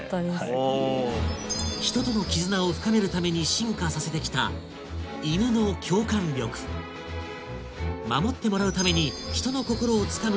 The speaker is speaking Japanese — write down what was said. うん人との絆を深めるために進化させてきた犬の「共感力」守ってもらうために「人の心を掴む」